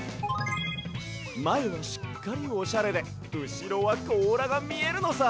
まえはしっかりオシャレでうしろはこうらがみえるのさ！